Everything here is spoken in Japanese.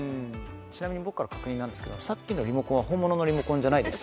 ちなみに僕からの確認なんですけどさっきのリモコンは本物のリモコンじゃないですか？